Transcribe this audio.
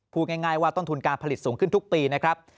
พูดง่ายว่าต้นทุนการผลิตสูงขึ้นทุกปีนะครับ